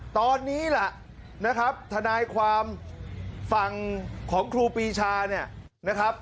ตอนนี้ล่ะนะครับทนายความฝั่งของครูปีชาเนี่ยนะครับ